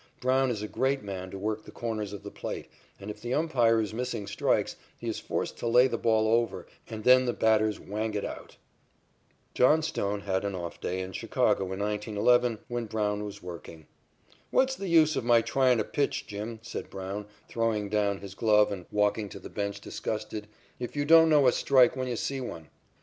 Brown is a great man to work the corners of the plate, and if the umpire is missing strikes, he is forced to lay the ball over and then the batters whang it out. Johnstone had an off day in Chicago in 1911, when Brown was working. "What's the use of my tryin' to pitch, Jim," said Brown, throwing down his glove and walking to the bench disgusted, "if you don't know a strike when you see one?"